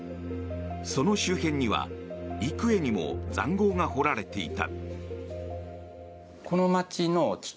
その周辺には幾重にも塹壕が掘られていた。